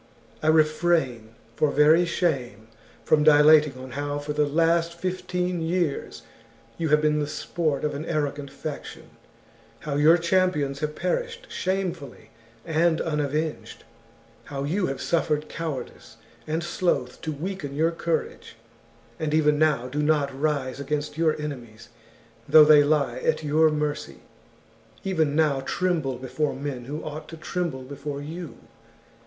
I refrain, for very shame, from dilating on how for the last fifteen years you have been the sport of an arrogant faction ; how your champions have perished shamefully and unavenged ; how you have suffered cowardice and sloth to weaken your courage ; and even now do not rise against your enemies though they lie at your mercy; even now tremble before men who ought to tremble before you.